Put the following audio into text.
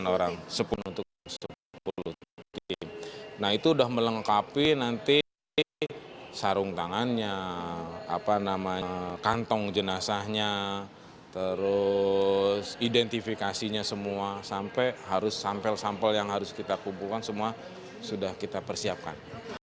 delapan sembilan orang sepuluh untuk sepuluh tim nah itu sudah melengkapi nanti sarung tangannya kantong jenazahnya terus identifikasinya semua sampai sampel sampel yang harus kita kumpulkan semua sudah kita persiapkan